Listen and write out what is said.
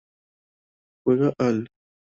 Juega en el Al-Jaish de la Liga Premier de Siria.